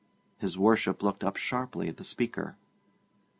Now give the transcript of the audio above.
His Worship looked up sharply at the speaker.